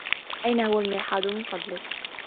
أين هو المرحاض، من فضلك؟